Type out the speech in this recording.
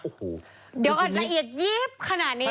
โอ้โฮนี่คุณนี้เดี๋ยวก่อนละเอียดยี๊บขนาดนี้